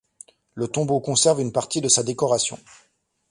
Le tombeau conserve une partie de sa décoration.